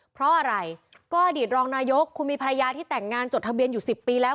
เพราะอะไรก็อดีตรองนายกคุณมีภรรยาที่แต่งงานจดทะเบียนอยู่๑๐ปีแล้ว